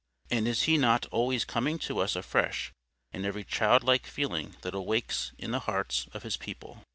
And is He not always coming to us afresh in every childlike feeling that awakes in the hearts of His people?